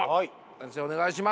先生お願いします。